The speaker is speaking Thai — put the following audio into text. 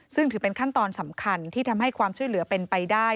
ซึ่งถือเป็นขั้นตอนสำคัญที่ทำให้ความช่วยเหลือเป็นไปได้